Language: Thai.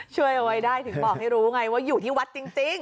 ช่วยเอาไว้ได้ถึงบอกให้รู้ไงว่าอยู่ที่วัดจริง